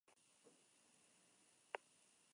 Es miembro de la Academia Argentina de Letras.